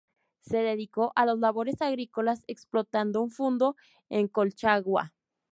Se dedicó a las labores agrícolas explotando un fundo en Colchagua.